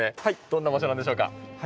どんな場所なんでしょうか？